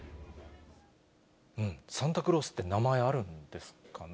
サンタクロースって、名前あるんですかね。